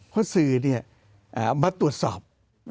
เพราะสื่อเนี่ยมาตรวจสอบ